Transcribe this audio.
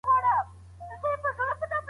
خاوند ولي د خپلي مېرمني له انفاق څخه ډډه کوي؟